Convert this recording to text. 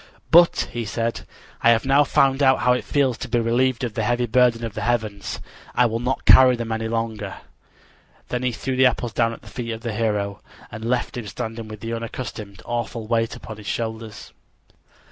"But," he said, "I have now found out how it feels to be relieved of the heavy burden of the heavens. I will not carry them any longer." Then he threw the apples down at the feet of the hero, and left him standing with the unaccustomed, awful weight upon his shoulders.